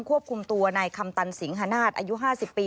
ควบคุมตัวในคำตันสิงฮนาศอายุ๕๐ปี